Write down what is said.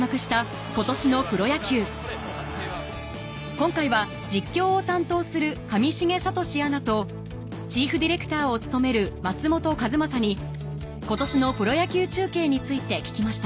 今回は実況を担当する上重聡アナとチーフディレクターを務める松本和将に今年のプロ野球中継について聞きました